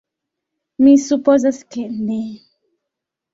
Mi supozas, ke ne.